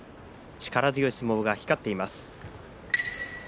力強い相撲が光っています。